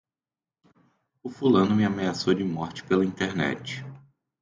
O fulano me ameaçou de morte pela internet